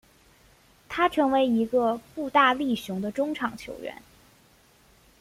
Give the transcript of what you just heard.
他成为一个步大力雄的中场球员。